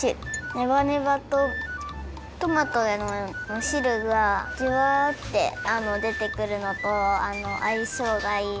ネバネバとトマトのしるがジュワッてでてくるのとあいしょうがいい。